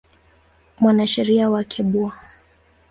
Mwanasheria wake Bw.